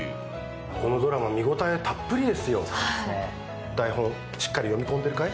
このドラマ、見応えたっぷりですよ、台本しっかり読み込んでるかい？